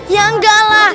ya enggak lah